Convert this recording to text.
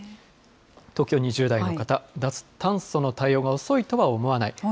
東京２０代の方、脱炭素の対応が遅いとは思わない。